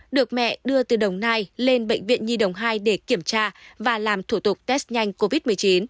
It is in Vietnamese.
được mẹ đưa từ đồng nai lên bệnh viện nhi đồng hai để kiểm tra và làm thủ tục test nhanh covid một mươi chín